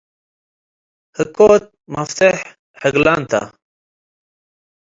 ህኮት መፍቴሕ ሕግላን ተ።